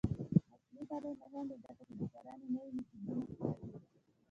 عصري تعلیم مهم دی ځکه چې د کرنې نوې میتودونه ښيي.